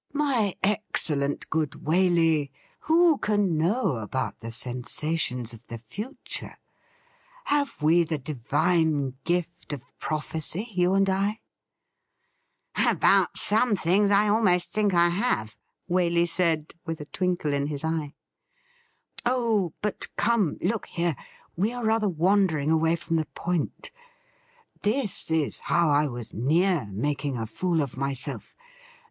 ' My excellent good Waley, who can know about the sensations of the future ? Have we the divine gift of prophecy, you and I ?'' About some things, I almost think I have,' Waley said, with a twinkle in his eye. ' Oh, but come, look here — we are rather wandering away from the point. This is how I was near making a fool of myself.